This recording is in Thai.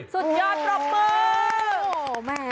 สุดยอดปรบมือ